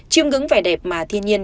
chiêm ngứng vẻ đẹp mà thiên nhiên